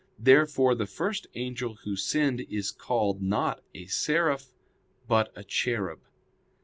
Therefore the first angel who sinned is called, not a Seraph, but a Cherub.